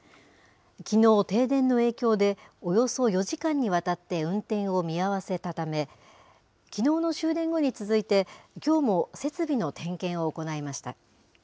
きのう、停電の影響で、およそ４時間にわたって運転を見合わせたため、きのうの終電後に続いて、きょうも設備の点検を行いました。